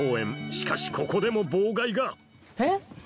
しかしここでも妨害がえっ？